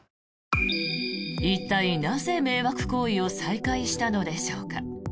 一体、なぜ迷惑行為を再開したのでしょうか。